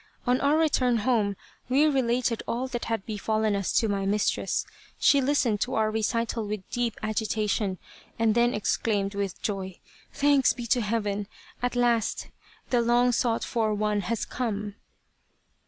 On our return home, we related all that had befallen us to my mistress. She listened to our recital with deep agitation, and then exclaimed, with joy :' Thanks be to Heaven ! At last the long sought for one has come